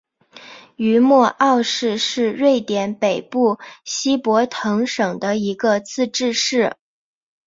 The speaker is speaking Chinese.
于默奥市是瑞典北部西博滕省的一个自治市。